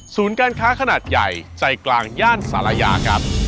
ศูนย์การค้าขนาดใหญ่ใจกลางย่านสาระยาครับ